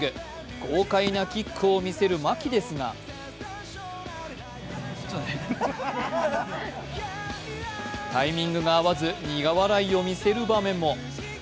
豪快なキックを見せる牧ですがタイミングが合わず、苦笑いを見せる場面も。